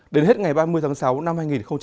đến hết ngày ba mươi tháng sáu năm hai nghìn hai mươi